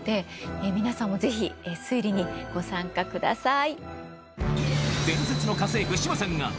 皆さんもぜひ推理にご参加ください。